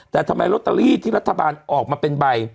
แต่ทำไมลอตเตอรี่ที่รัฐบาลออกมาเป็นใบ